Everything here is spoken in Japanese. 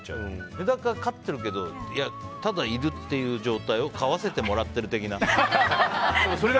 メダカ飼ってるけどただいるっていう状態を飼わせてもらってる的な。